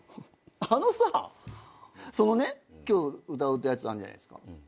あのさそのね今日歌うやつあんじゃないですか。